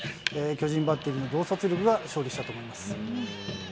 巨人バッテリーの洞察力が勝利したと思います。